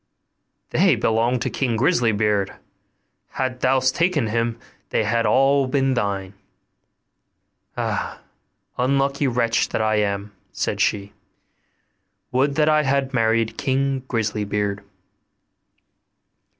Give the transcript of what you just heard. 'They belong to King Grisly beard, hadst thou taken him, they had all been thine.' 'Ah! unlucky wretch that I am!' said she; 'would that I had married King Grisly beard!